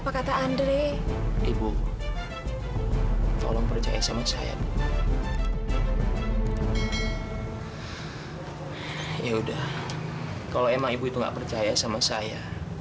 apa kata andre ibu tolong percaya sama saya ya udah kalau emang ibu itu nggak percaya sama saya